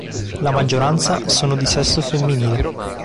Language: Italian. La maggioranza sono di sesso femminile.